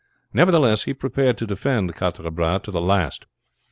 Nevertheless, he prepared to defend Quatre Bras to the last.